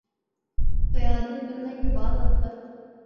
قیادت ملنے کے بعد اب تک